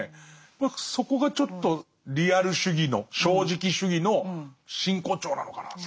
僕そこがちょっとリアル主義の正直主義の真骨頂なのかなと。